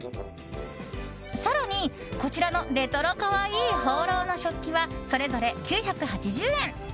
更にこちらのレトロ可愛いホーローの食器はそれぞれ９８０円。